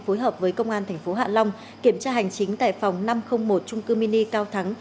phối hợp với công an tp hạ long kiểm tra hành chính tại phòng năm trăm linh một trung cư mini cao thắng